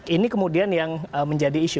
ini kemudian yang menjadi isu